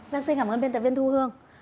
vâng xin cảm ơn biên tập viên thu hương